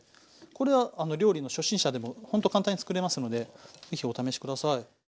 これは料理の初心者でもほんと簡単に作れますので是非お試し下さい。